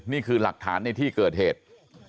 นี่คือหลักฐานในที่เกิดเหตุ